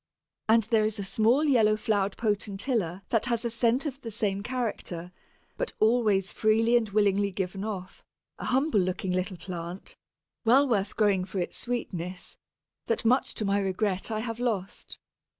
And there is a small yellow flowered Potentilla that has a scent of the same character, but always freely and willingly given off a humble looking little plant, well worth growing for its sweetness, that much to my regret I have lost.